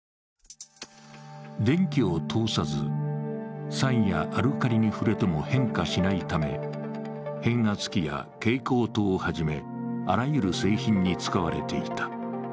電気を通さず、酸やアルカリに触れても変化しないため、変圧器や蛍光灯をはじめあらゆる製品に使われていた。